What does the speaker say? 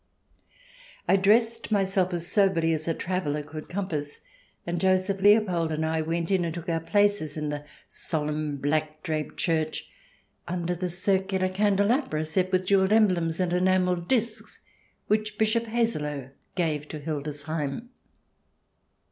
I dressed myself as soberly as a traveller could compass, and Joseph Leopold and I went in and took our places in the solemn, black draped church under the circular candelabra set with jewelled emblems and enamelled discs which Bishop Hezilo gave to Hildesheim.